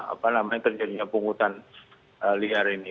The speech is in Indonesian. apa namanya terjadinya pungutan liar ini